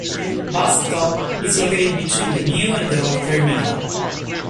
Bus stop is located between the new and the old terminal.